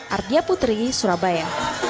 ardia putri surabaya